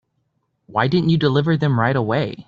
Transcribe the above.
Why didn't you deliver them right away?